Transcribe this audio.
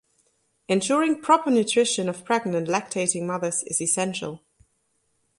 Ensuring proper nutrition of pregnant and lactating mothers is essential.